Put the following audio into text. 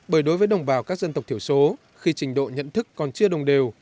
bởi đối với đồng bào các dân tộc thiểu số khi trình độ nhận thức còn chưa đồng đều